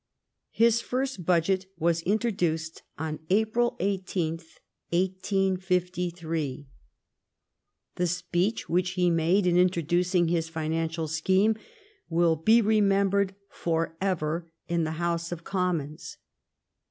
His first budget was introduced on April i8, 1853. The 176 THE STORY OF GLADSTONE'S LIFE speech which he made in introducing his financial scheme will be remembered forever in the House of Commons.